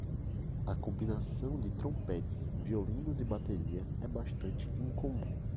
A combinação de trompetes, violinos e bateria é bastante incomum.